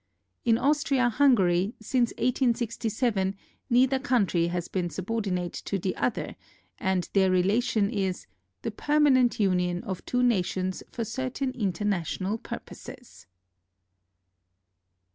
In Aus tria Hungary, since 1867, neither country has been subordi nate to the other, and their relation is "the permanent union of two nations for certain international purposes."